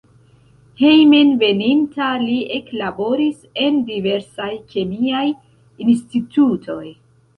Hejmenveninta li eklaboris en diversaj kemiaj institutoj.